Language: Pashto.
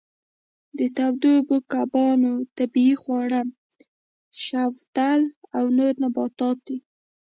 د تودو اوبو کبانو طبیعي خواړه شوتل او نور نباتات دي.